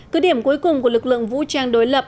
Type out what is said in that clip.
cứ điểm cuối cùng của lực lượng vũ trang đối lập